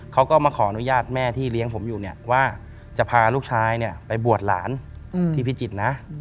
เขาก็มาขออนุญาตแม่ที่เลี้ยงผมอยู่เนี่ยว่าจะพาลูกชายไปบวชหลานที่พิจิตรนะ